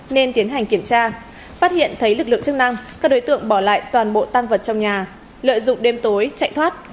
nên tiến hành kiểm tra phát hiện thấy lực lượng chức năng các đối tượng bỏ lại toàn bộ tăng vật trong nhà lợi dụng đêm tối chạy thoát